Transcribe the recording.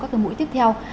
các cái mũi tiếp theo